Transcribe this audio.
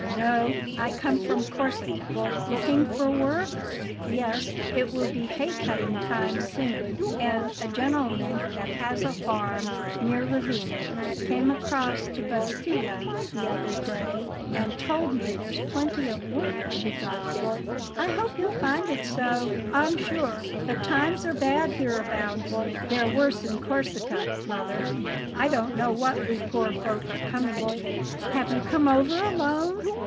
"No. I come from Corsica." "Looking for work?" "Yes; it will be hay cutting time soon, and a gentleman that has a farm near Ravenna came across to Bastia the other day and told me there's plenty of work to be got there." "I hope you'll find it so, I'm sure, but times are bad hereabouts." "They're worse in Corsica, mother. I don't know what we poor folk are coming to." "Have you come over alone?"